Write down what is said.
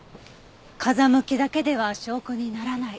風向きだけでは証拠にならない。